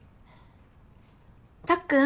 たっくん。